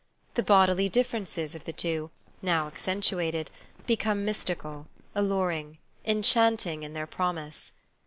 The bodily differences of the two, now accentuated, become "7l^^<^=»|?_=iJlu"ng. enchanting in their promise.